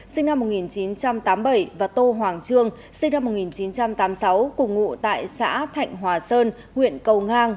sinh năm một nghìn chín trăm tám mươi bảy và tô hoàng trương sinh năm một nghìn chín trăm tám mươi sáu cùng ngụ tại xã thạnh hòa sơn huyện cầu ngang